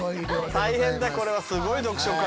大変だこれはすごい読書家。